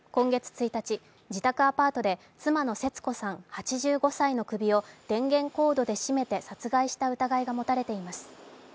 今月１日、自宅アパートで妻の節子さん８５歳の首を電源コードで絞めて殺害した疑いが持たれています。